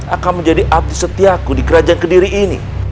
akan menjadi abdi setiaku di kerajaan kediri ini